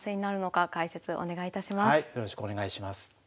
よろしくお願いします。